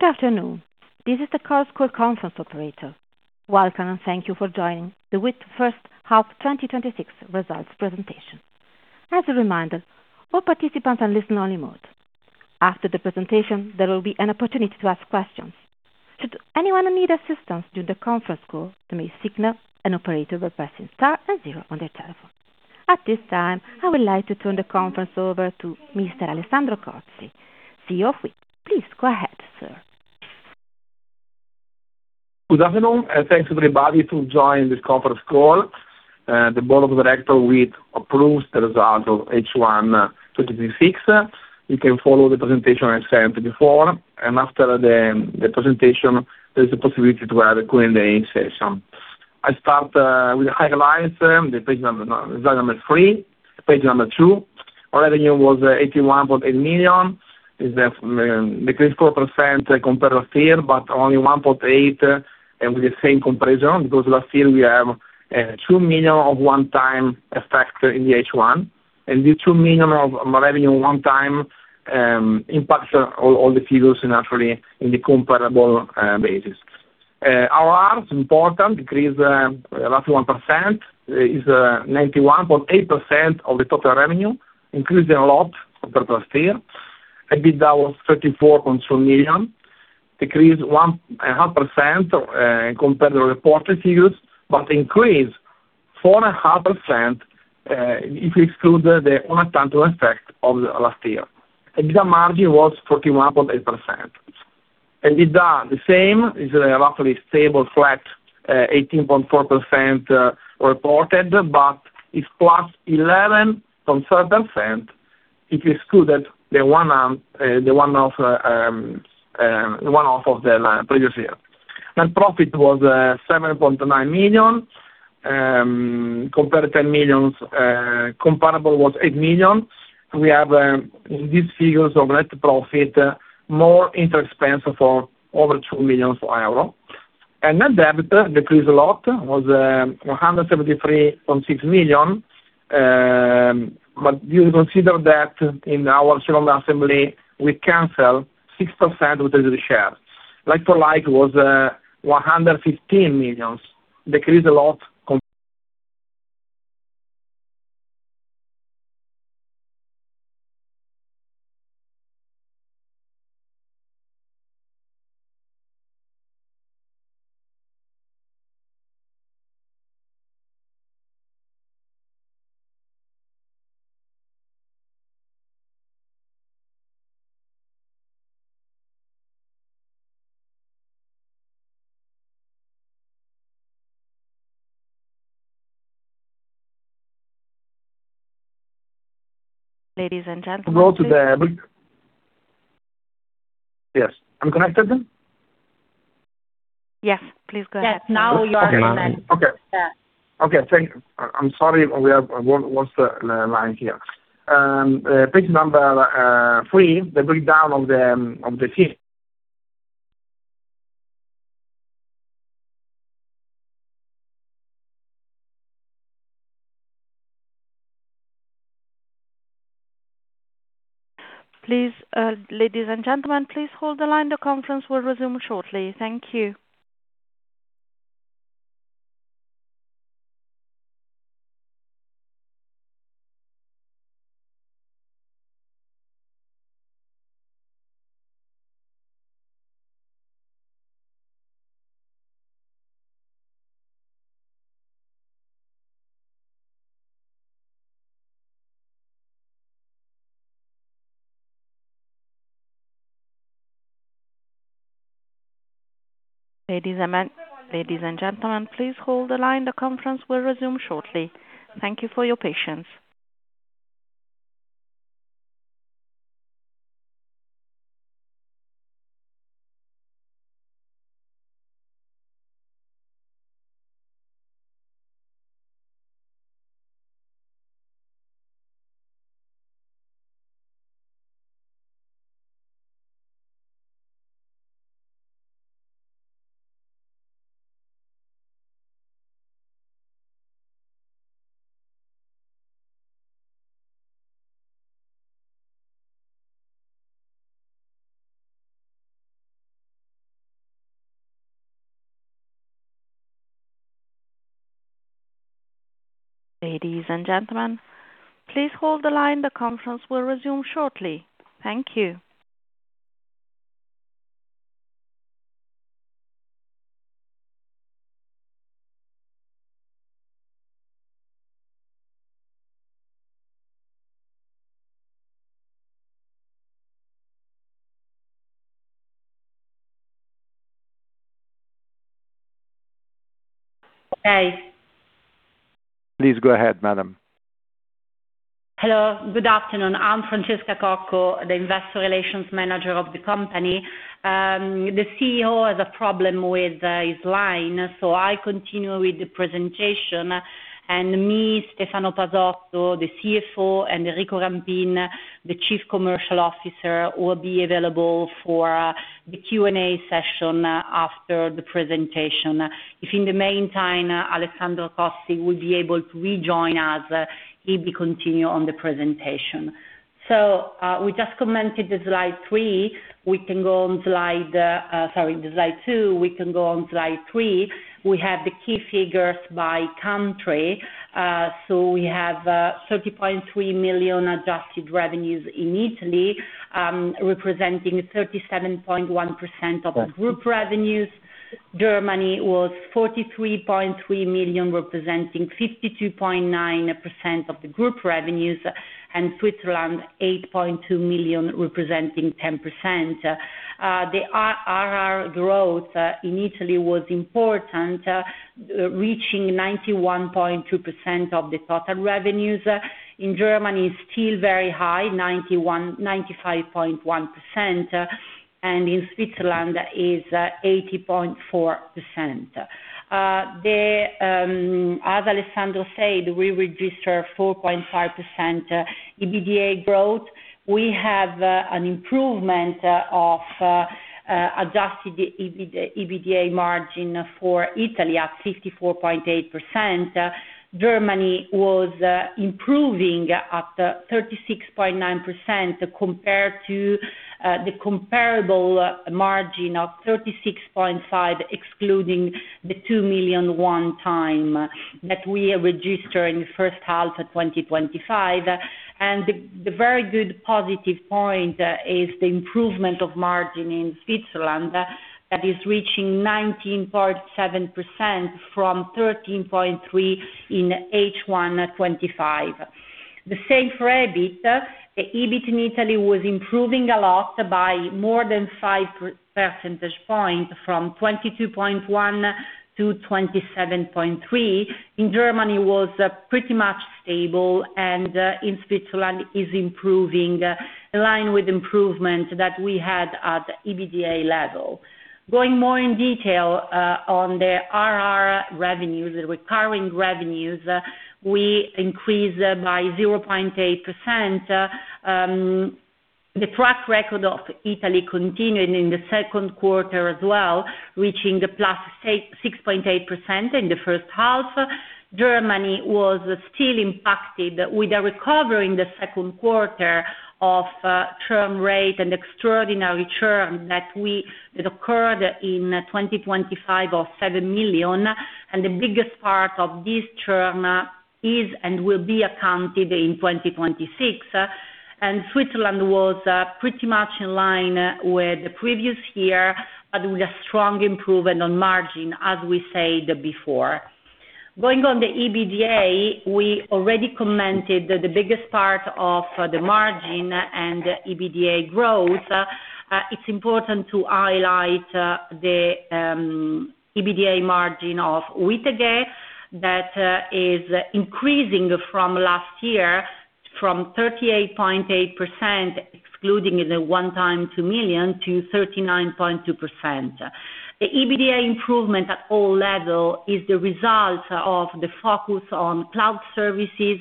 Good afternoon. This is the Carlsquare conference operator. Welcome, and thank you for joining the WIIT first half 2026 results presentation. As a reminder, all participants are in listen only mode. After the presentation, there will be an opportunity to ask questions. Should anyone need assistance during the conference call, you may signal an operator by pressing star and zero on their telephone. At this time, I would like to turn the conference over to Mr. Alessandro Cozzi, CEO of WIIT. Please go ahead, sir. Good afternoon. Thanks everybody for joining this conference call. The board of directors WIIT approves the results of H1 2026. You can follow the presentation I sent before. After the presentation, there is a possibility to have a Q&A session. I start with the highlights, the page number three, page number two. Our revenue was 81.8 million, decreased 4% compared to last year, but only 1.8% with the same comparison, because last year we have 2 million of one-time effect in the H1. The 2 million of revenue one time impacts all the figures naturally in the comparable basis. ARR, important, increased 1%. It is 91.8% of the total revenue, increasing a lot compared to last year. EBITDA was EUR 34.2 million, decreased 1.5% compared to reported figures, but increased 4.5% if you exclude the one-time effect of last year. EBITDA margin was 41.8%. EBIT, the same, is roughly stable flat 18.4% reported, but it is +11.7% if you excluded the one-off of the previous year. Net profit was 7.9 million, compared to 10 million, comparable was 8 million. We have these figures of net profit more interest expense for over 2 million euro. Net debt decreased a lot, was 173.6 million, but you consider that in our general assembly, we cancel 6% of the shares. Like-for-like was EUR 115 million. Ladies and gentlemen. I'm connected then? Yes, please go ahead. Yes, now you are connected. Okay. Yeah. Okay, thank you. I'm sorry. We have one line here. Page number three, the breakdown of the team. Please, ladies and gentlemen, please hold the line. The conference will resume shortly. Thank you. Ladies and gentlemen, please hold the line. The conference will resume shortly. Thank you for your patience. Ladies and gentlemen, please hold the line. The conference will resume shortly. Thank you. Please go ahead, madam. Hello, good afternoon. I'm Francesca Cocco, the Investor Relations Manager of the company. The CEO has a problem with his line, I continue with the presentation. Me, Stefano Pasotto, the CFO, and Enrico Rampin, the Chief Commercial Officer, will be available for the Q&A session after the presentation. In the meantime, if Alessandro Cozzi would be able to rejoin us, he will continue on the presentation. We just commented the slide two, we can go on slide three. We have the key figures by country. We have 30.3 million adjusted revenues in Italy, representing 37.1% of the group revenues. Germany was 43.3 million, representing 52.9% of the group revenues, and Switzerland, 8.2 million representing 10%. The ARR growth in Italy was important, reaching 91.2% of the total revenues. In Germany, still very high, 95.1%, and in Switzerland is 80.4%. As Alessandro said, we registered 4.5% EBITDA growth. We have an improvement of adjusted EBITDA margin for Italy at 54.8%. Germany was improving at 36.9% compared to the comparable margin of 36.5%, excluding the EUR 2 million one-time that we registered in the first half of 2025. The very good positive point is the improvement of margin in Switzerland that is reaching 19.7% from 13.3% in H1 2025. The same for EBIT. The EBIT in Italy was improving a lot by more than five percentage points from 22.1%-27.3%. In Germany, it was pretty much stable, and in Switzerland is improving in line with improvement that we had at the EBITDA level. Going more in detail on the ARR revenues, the recurring revenues, we increased by 0.8%. The track record of Italy continuing in the second quarter as well, reaching the +6.8% in the first half. Germany was still impacted with a recovery in the second quarter of term rate and extraordinary term that occurred in 2025 of 7 million. The biggest part of this term is and will be accounted in 2026. Switzerland was pretty much in line with the previous year, but with a strong improvement on margin as we said before. Going on the EBITDA, we already commented the biggest part of the margin and EBITDA growth. It's important to highlight the EBITDA margin of WIIT Germany that is increasing from last year from 38.8%, excluding the one-time 2 million, to 39.2%. The EBITDA improvement at all level is the result of the focus on cloud services,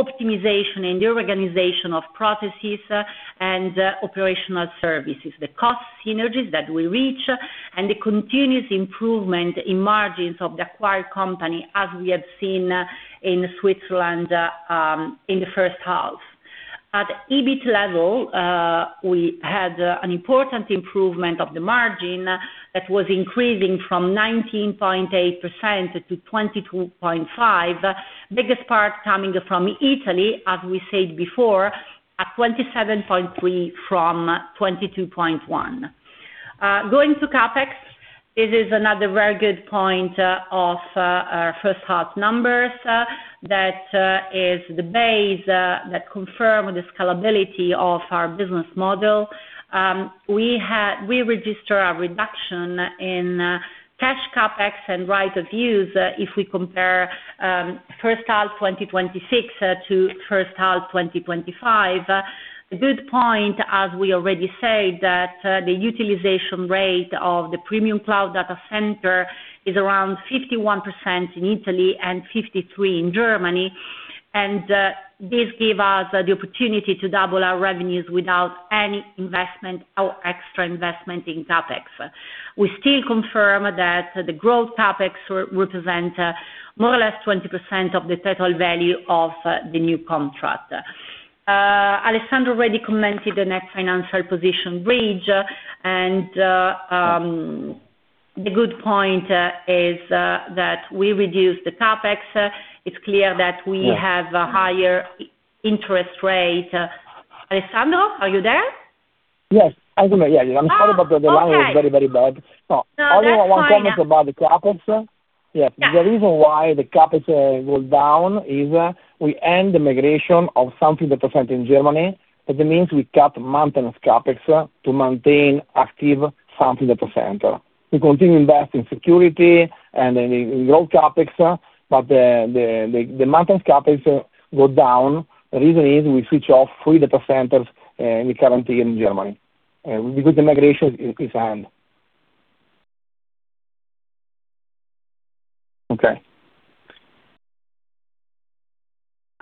optimization and reorganization of processes and operational services, the cost synergies that we reach, and the continuous improvement in margins of the acquired company, as we have seen in Switzerland in the first half. At EBIT level, we had an important improvement of the margin that was increasing from 19.8% to 22.5%. Biggest part coming from Italy, as we said before, at 27.3% from 22.1%. Going to CapEx, this is another very good point of our first half numbers. That is the base that confirms the scalability of our business model. We registered a reduction in cash CapEx and right of use if we compare first half 2026 to first half 2025. A good point, as we already said, that the utilization rate of the premium cloud data center is around 51% in Italy and 53% in Germany. This gives us the opportunity to double our revenues without any investment or extra investment in CapEx. We still confirm that the growth CapEx represent more or less 20% of the total value of the new contract. Alessandro already commented the net financial position bridge. The good point is that we reduced the CapEx. It's clear that we have a higher interest rate. Alessandro, are you there? Yes. I'm sorry, but the line is very bad. No, that's fine. Only one comment about the CapEx. Yes. Yeah. The reason why the CapEx goes down is we end the migration of something that was sent in Germany. That means we cut maintenance CapEx to maintain active something data center. We continue invest in security and in growth CapEx, the maintenance CapEx go down. The reason is we switch off three data centers we currently in Germany, because the migration is end. Okay. You want to go to the next slide? Okay.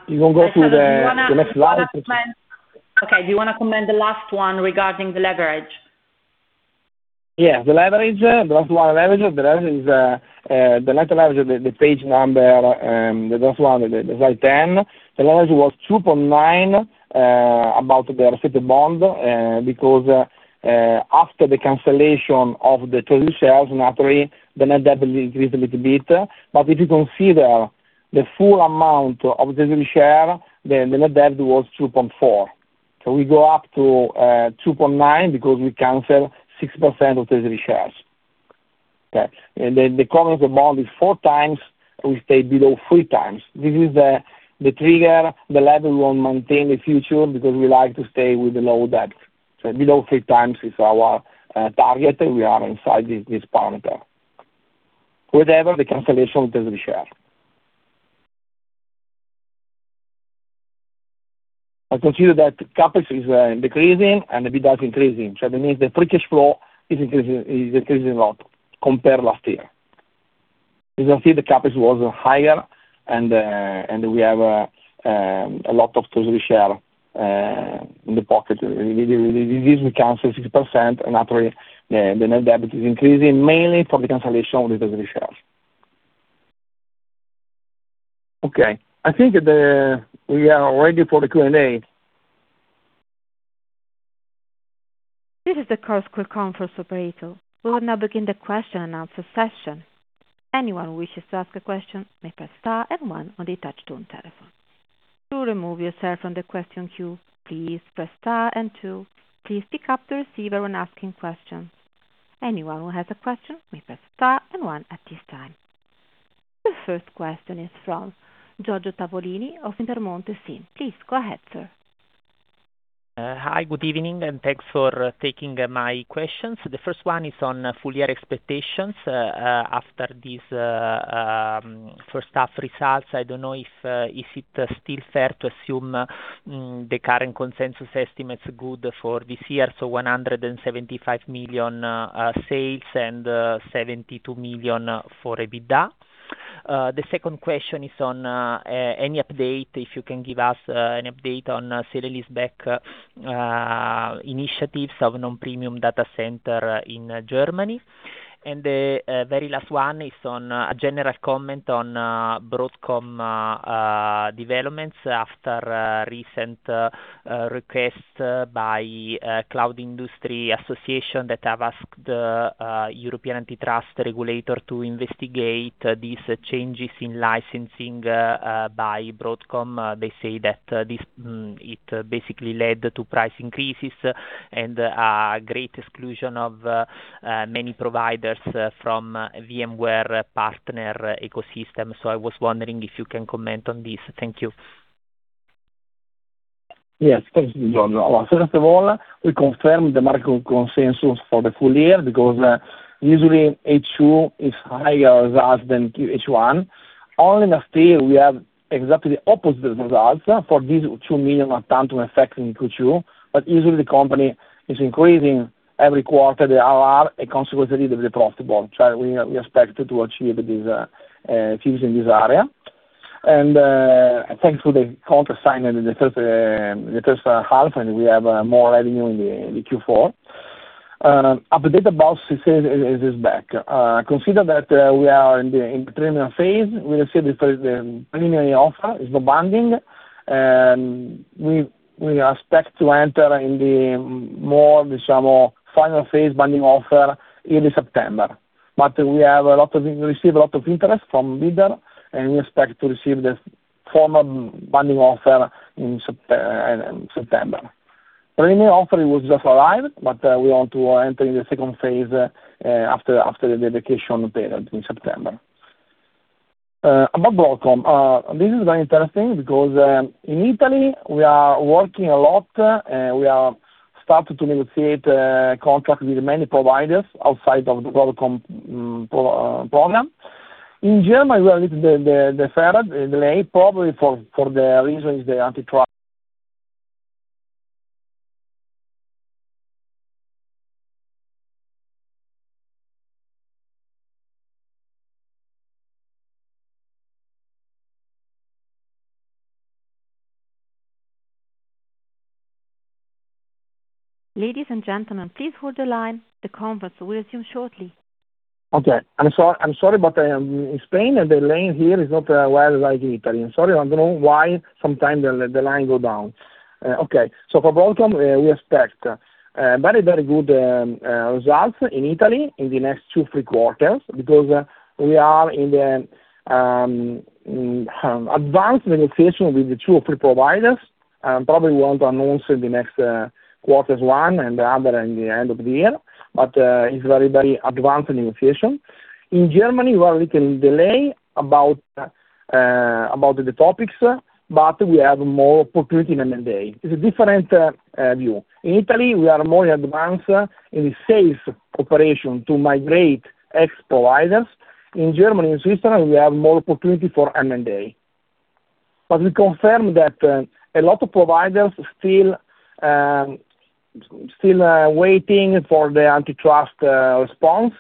Do you want to comment the last one regarding the leverage? The leverage. The last one, leverage. The net leverage, the page number, the last one, slide 10. The leverage was 2.9 about the forecasted bond, because after the cancellation of the treasury shares, naturally, the net debt increased a little bit. If you consider the full amount of treasury share, the net debt was 2.4. We go up to 2.9 because we cancel 6% of treasury shares. The covenant bond is four times, we stay below three times. This is the trigger, the level we want to maintain in the future because we like to stay with the low debt. Below three times is our target, we are inside this parameter. Whatever the cancellation of treasury share. I consider that CapEx is decreasing and EBITDA is increasing. That means the free cash flow is increasing a lot compared last year. As you can see, the CapEx was higher, and we have a lot of treasury share in the pocket. We cancel 6% and naturally, the net debt is increasing mainly from the cancellation of the treasury shares. I think we are ready for the Q&A. This is the Chorus Call conference operator. We will now begin the question and answer session. Anyone who wishes to ask a question may press star and one on the touch-tone telephone. To remove yourself from the question queue, please press star and two. Please pick up the receiver when asking questions. Anyone who has a question may press star and one at this time. The first question is from Giorgio Tavolini of Intermonte SIM. Please go ahead, sir. Good evening, and thanks for taking my questions. The first one is on full year expectations. After these first half results, I do not know if it is still fair to assume the current consensus estimate is good for this year. 175 million sales and 72 million for EBITDA. The second question is on any update, if you can give us an update on sell or lease-back initiatives of non-premium data center in Germany. The very last one is on a general comment on Broadcom developments after a recent request by Cloud Industry Association that have asked the European Antitrust Regulator to investigate these changes in licensing by Broadcom. They say that it basically led to price increases and a great exclusion of many providers from VMware partner ecosystem. I was wondering if you can comment on this. Thank you. Yes. Thank you, Giorgio. First of all, we confirm the market consensus for the full year because usually H2 is higher results than QH1. Only last year we have exactly the opposite results for this 2 million one-time effect in Q2. Usually the company is increasing every quarter the ARR and consequently the profit bond. We expect to achieve this in this area. Thanks to the contract signed in the first half, we have more revenue in the Q4. An update about sell or lease-back. Consider that we are in the interim phase. We received the preliminary offer. It's non-binding. We expect to enter in the more final phase binding offer early September. We receive a lot of interest from bidders, and we expect to receive the formal binding offer in September. Preliminary offer was just arrived. We want to enter in the second phase after the dedication period in September. About Broadcom. This is very interesting because in Italy, we are working a lot, we are starting to negotiate contract with many providers outside of the Broadcom program. In Germany, we are a little bit deferred, delayed, probably for the reason is the antitrust Ladies and gentlemen, please hold the line. The conference will resume shortly. I'm sorry, in Spain, the line here is not well like in Italy. I'm sorry. I don't know why sometimes the line goes down. For Broadcom, we expect very good results in Italy in the next two, three quarters because we are in the advanced negotiation with the two or three providers. Probably we want to announce in the next quarters, one and the other in the end of the year. It's very advanced negotiation. In Germany, we are a little delayed about the topics, we have more opportunity in M&A. It's a different view. In Italy, we are more advanced in the sales operation to migrate ex-providers. In Germany and Switzerland, we have more opportunity for M&A. We confirm that a lot of providers still waiting for the antitrust response.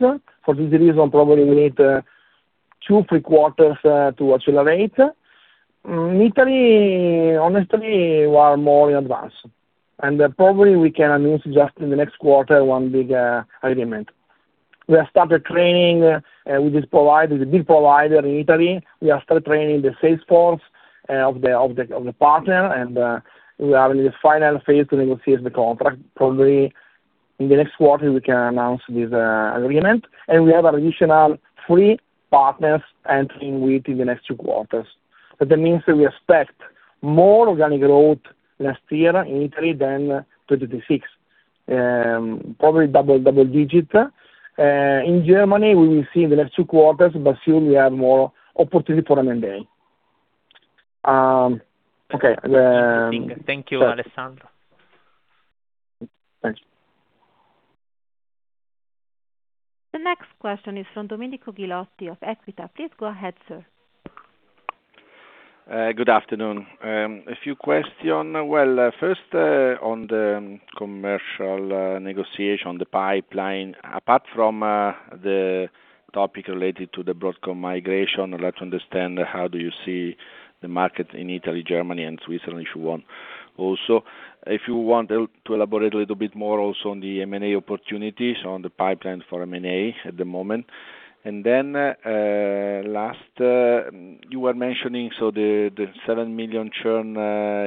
For this reason, probably we need two, three quarters to accelerate In Italy, honestly, we are more in advance. Probably we can announce just in the next quarter, one big agreement. We have started training with this provider, is a big provider in Italy. We have started training the salesforce of the partner, and we are in the final phase to negotiate the contract. Probably in the next quarter, we can announce this agreement. We have additional three partners entering WIIT in the next two quarters. That means that we expect more organic growth last year in Italy than 2026. Probably double digit. In Germany, we will see in the next two quarters, but soon we have more opportunity for M&A. Okay. Thank you, Alessandro. Thanks. The next question is from Domenico Ghilotti of Equita. Please go ahead, sir. Good afternoon. A few question. First, on the commercial negotiation on the pipeline. Apart from the topic related to the Broadcom migration, I'd like to understand how do you see the market in Italy, Germany and Switzerland, if you want. If you want to elaborate a little bit more also on the M&A opportunities, on the pipeline for M&A at the moment. Last, you were mentioning, so the 7 million churn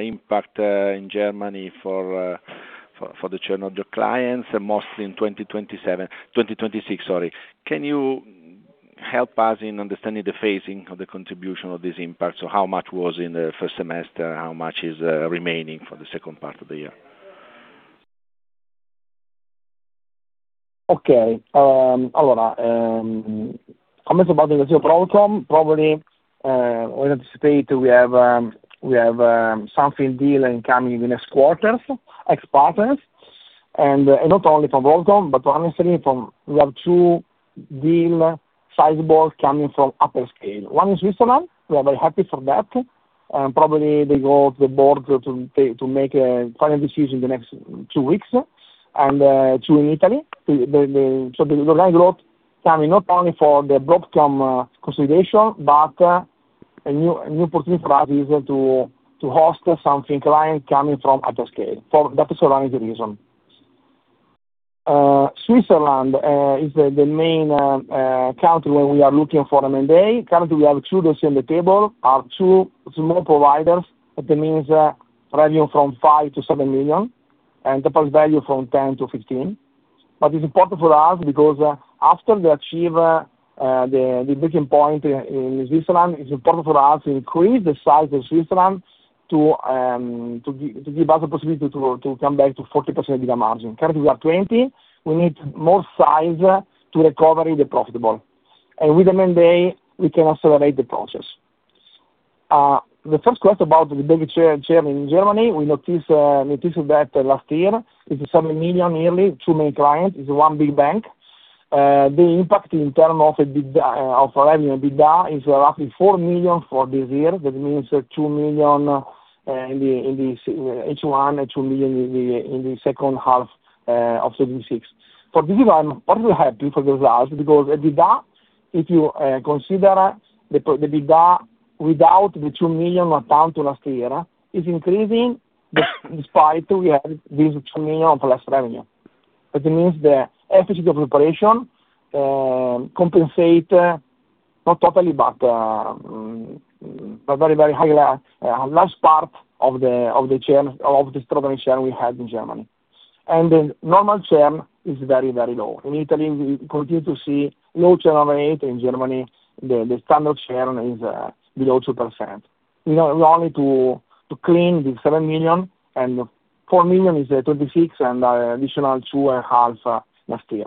impact in Germany for the churn of your clients, and mostly in 2027-- 2026, sorry. Can you help us in understanding the phasing of the contribution of this impact? How much was in the first semester, how much is remaining for the second part of the year? Okay. Comments about the Broadcom, probably, we anticipate we have something deal coming in next quarters, ex-partners. Not only from Broadcom, but honestly, we have two deal sizable coming from upper scale. One in Switzerland, we are very happy for that. Probably they go to the board to make a final decision in the next two weeks. Two in Italy. The organic growth coming not only for the Broadcom consolidation, but a new opportunity for us is to host something client coming from hyperscale. For data sovereignty reason. Switzerland is the main country where we are looking for M&A. Currently, we have two deals on the table, are two small providers. That means revenue from 5 million-7 million, and the plus value from 10 million-15 million. It's important for us because after they achieve the breaking point in Switzerland, it's important for us to increase the size of Switzerland to give us the possibility to come back to 40% EBITDA margin. Currently, we are 20. We need more size to recover the profitable. With M&A, we can accelerate the process. The first question about the big churn in Germany, we noticed that last year. It's 7 million yearly, two main clients, is one big bank. The impact in term of our revenue EBITDA is roughly 4 million for this year. That means 2 million in the H1 and 2 million in the second half of 2026. For this year, I'm partly happy for the results because the EBITDA, if you consider the EBITDA without the EUR 2 million account to last year, is increasing despite we have this 2 million of less revenue. That means the efficiency of operation compensate, not totally, but a large part of this extraordinary churn we had in Germany. The normal churn is very, very low. In Italy, we continue to see low churn rate. In Germany, the standard churn is below 2%. We are running to clean the 7 million, and 4 million is at 2026 and additional two and half last year.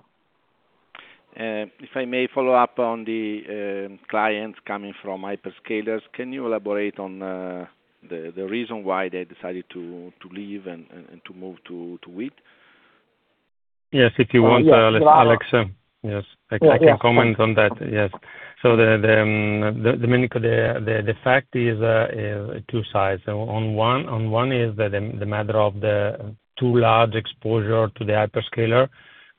If I may follow up on the clients coming from hyperscalers, can you elaborate on the reason why they decided to leave and to move to WIIT? Yes. If you want, Alex. Yes. Yeah. I can comment on that. Yes. Domenico, the fact is two sides. On one is the matter of the too large exposure to the hyperscaler.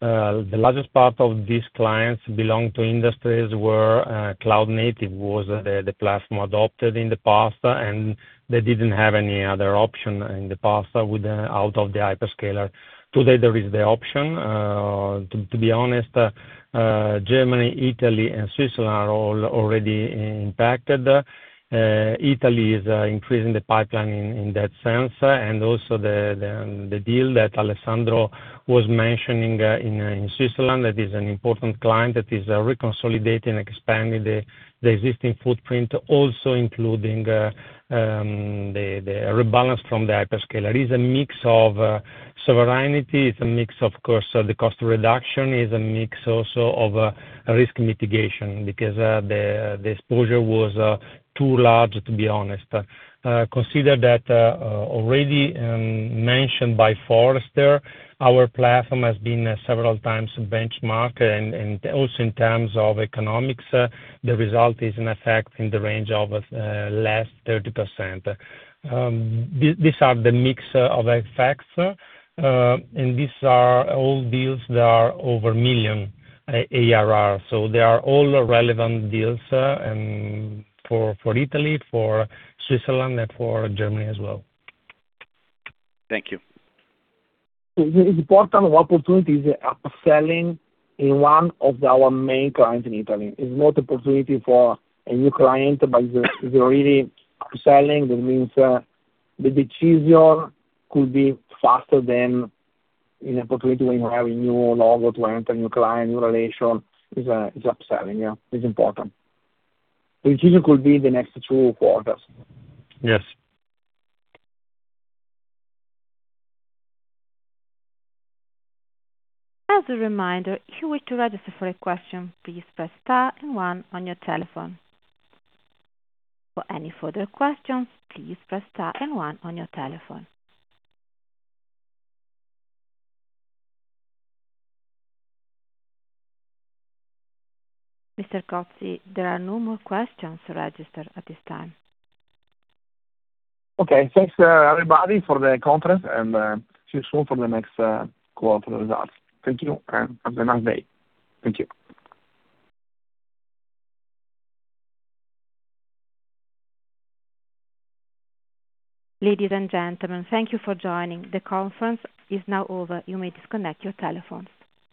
The largest part of these clients belong to industries where cloud native was the platform adopted in the past, and they didn't have any other option in the past out of the hyperscaler. Today, there is the option. To be honest, Germany, Italy and Switzerland are all already impacted. Italy is increasing the pipeline in that sense, and also the deal that Alessandro was mentioning in Switzerland. That is an important client that is reconsolidating and expanding the existing footprint, also including the rebalance from the hyperscaler. Is a mix of sovereignty, is a mix, of course, the cost reduction. Is a mix also of risk mitigation, because the exposure was too large, to be honest. Consider that already mentioned by Forrester, our platform has been several times benchmarked, and also in terms of economics, the result is in effect in the range of less 30%. These are the mix of effects, and these are all deals that are over million ARR. They are all relevant deals for Italy, for Switzerland, and for Germany as well. Thank you. The important opportunity is upselling in one of our main clients in Italy. Is not opportunity for a new client, but is really upselling. That means the decision could be faster than an opportunity when you have a new logo to enter, a new client, new relation. Is upselling, yeah. Is important. The decision could be in the next two quarters. Yes. As a reminder, if you wish to register for a question, please press star and one on your telephone. For any further questions, please press star and one on your telephone. Mr. Cozzi, there are no more questions registered at this time. Okay. Thanks, everybody, for the conference, and see you soon for the next quarter results. Thank you, and have a nice day. Thank you. Ladies and gentlemen, thank you for joining. The conference is now over. You may disconnect your telephones.